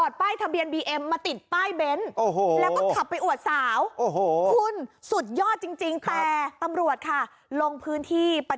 ไม่เกี่ยวเขายังอยู่ไหน